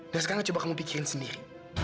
dan sekarang coba kamu pikirin sendiri